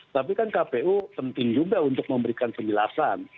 tapi kan kpu penting juga untuk memberikan penjelasan